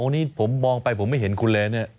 นี่ผมมองไปผมไม่เห็นคุณเลยเนี่ย